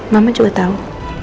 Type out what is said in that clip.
mama juga tau